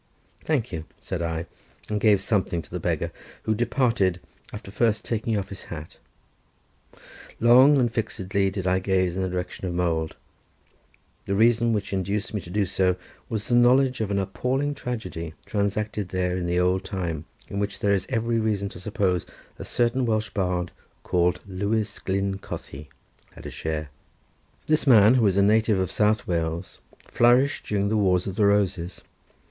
"Thank you," said I, and gave something to the beggar, who departed, after first taking off his hat. Long and fixedly did I gaze in the direction of Mold. The reason which induced me to do so was the knowledge of an appalling tragedy transacted there in the old time, in which there is every reason to suppose a certain Welsh bard, called Lewis Glyn Cothi, had a share. This man, who was a native of South Wales, flourished during the wars of the Roses.